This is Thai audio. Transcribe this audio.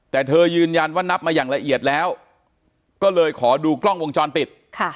แต่เธอยืนยันว่านับมาอย่างละเอียดแล้วก็เลยขอดูกล้องวงจรปิด